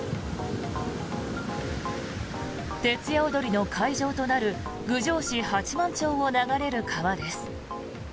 徹夜おどりの会場となる郡上市八幡町を流れる川です。